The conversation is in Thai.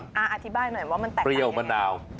อธิบายหน่อยว่ามันแตกต่างกันยังไงเปรี้ยวมะนาว